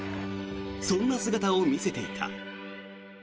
そんな姿を見せていた。